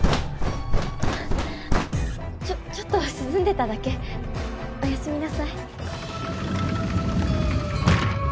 あちょっちょっと涼んでただけ。おやすみなさい。